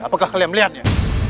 apakah kalian melihatnya